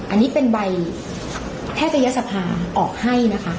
อันนี้เป็นใบแพทยศภาออกให้นะคะ